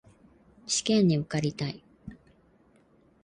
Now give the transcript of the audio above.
試験に受かりたい